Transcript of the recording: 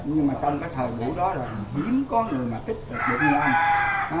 nhưng mà trong cái thời vụ đó là hiếm có người mà tích cực được như ông